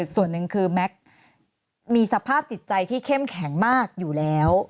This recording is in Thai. ส่วนหนึ่งคือแม็กซ์มีสภาพจิตใจที่เข้มแข็งมากอยู่แล้ว